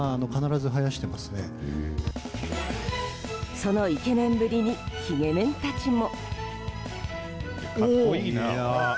そのイケメンぶりにヒゲメンたちも。